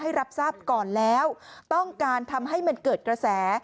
รับทราบก่อนแล้วต้องการทำให้มันเกิดกระแส